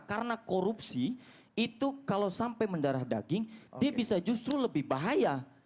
karena korupsi itu kalau sampai mendarah daging dia bisa justru lebih bahaya